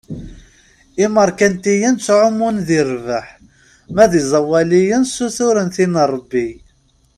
Imerkantiyen ttɛumun di rrbeḥ, ma d iẓawaliyen suturen tin n Ṛebbi.